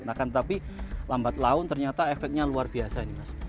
nah kan tapi lambat laun ternyata efeknya luar biasa ini mas